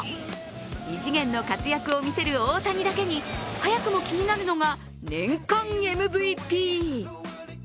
異次元の活躍を見せる大谷だけに早くも気になるのが年間ＭＶＰ。